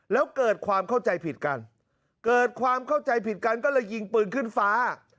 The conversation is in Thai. แล้วเกิดความเข้าใจผิดกันเกิดความเข้าใจผิดกันก็เลยยิงปืนขึ้นฟ้า